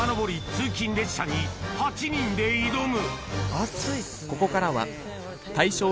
通勤列車に８人で挑む！